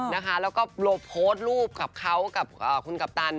แล้วก็โพสต์รูปกับเขากับคุณกัปตัน